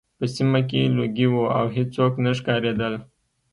په سیمه کې لوګي وو او هېڅوک نه ښکارېدل